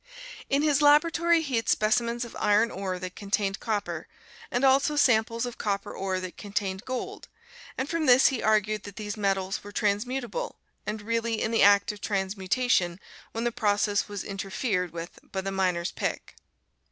In his laboratory he had specimens of iron ore that contained copper, and also samples of copper ore that contained gold, and from this he argued that these metals were transmutable, and really in the act of transmutation when the process was interfered with by the miner's pick.